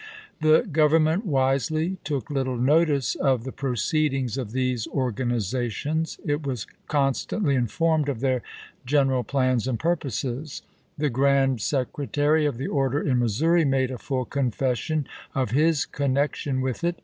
The Government wisely took little notice of the pro ceedings of these organizations. It was constantly informed of their general plans and purposes ; the Grand Secretary of the order in Missouri made a full confession of his connection with it.